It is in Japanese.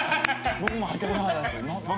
僕も入ってこなかった。